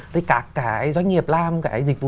thì các cái doanh nghiệp làm cái dịch vụ